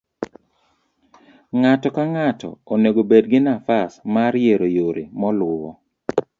ng'ato ka ng'ato onego bed gi nafas mar yiero yore moluwo